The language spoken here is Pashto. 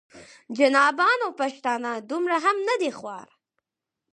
جنابانو پښتانه دومره هم نه دي خوار.